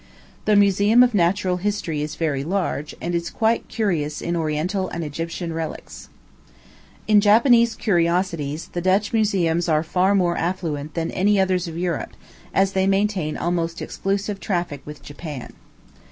The Museum of Natural History is very large, and is quite curious in Oriental and Egyptian relics. In Japanese curiosities, the Dutch museums are far more affluent than any others of Europe, as they maintain almost exclusive traffic with Japan.